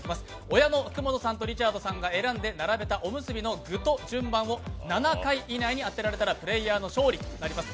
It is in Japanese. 親の福本さんとリチャードさんが選んで並べた具と順番を７回以内に当てられたらプレーヤーの勝利となります。